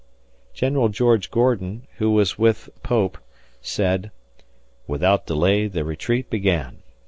General George Gordon, who was with Pope, said: "Without delay the retreat began.